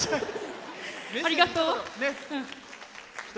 ありがとう！